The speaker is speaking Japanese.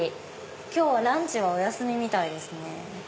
今日はランチはお休みみたいですね。